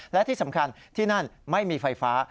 และที่สำคัญที่นั่นไม่มีไฟฟ้า